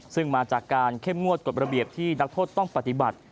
ซึ่งมาจากการเข้มงวดกฎระเบียบที่นักโทษต้องปฏิบัติ